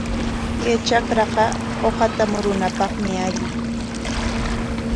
Kay trakraqa uqata murunapaqmi alli.